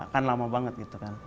kan lama banget gitu kan